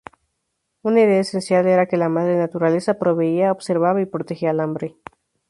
Una idea esencial era que la madre naturaleza proveía, observaba y protegía al hombre.